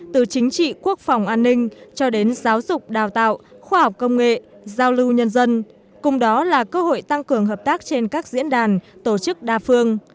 từ chính trị quốc phòng an ninh cho đến giáo dục đào tạo khoa học công nghệ giao lưu nhân dân cùng đó là cơ hội tăng cường hợp tác trên các diễn đàn tổ chức đa phương